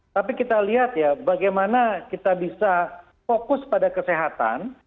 tapi kita lihat ya bagaimana kita bisa fokus pada kesehatan